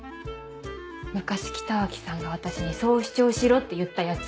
昔北脇さんが私にそう主張しろって言ったやつ。